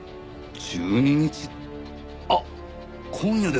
１２日あっ今夜ですよ。